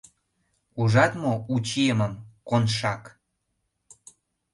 — Ужат мо у чиемым, Коншак!